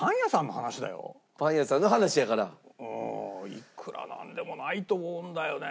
いくらなんでもないと思うんだよね。